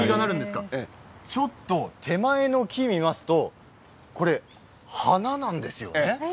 ちょっと手前の木を見ますと花なんですよ。